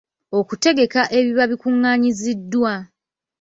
Okutegeka ebiba bikungaanyiziddwa.